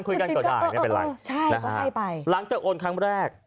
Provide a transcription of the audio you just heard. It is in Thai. คุยกันก็ได้ไม่เป็นไรใช่แล้วก็ให้ไปหลังจากโอนครั้งแรก